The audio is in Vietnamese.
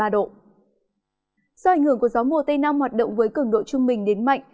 do ảnh hưởng của gió mùa tây nam hoạt động với cường độ trung bình đến mạnh